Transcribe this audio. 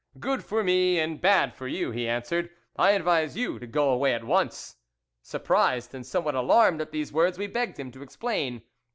'Good for me and bad for you,' he answered;' I advise you to go away at once.' Surprised and somewhat alarmed at these words, we begged him to explain.